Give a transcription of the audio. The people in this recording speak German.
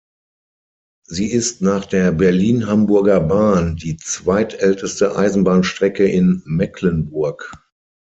Sie ist nach der Berlin-Hamburger Bahn die zweitälteste Eisenbahnstrecke in Mecklenburg.